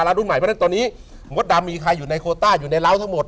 รุ่นใหม่ประเทศตรงนี้งดดำมีใครอยู่ในโคต้าอยู่ในราวทั้งหมด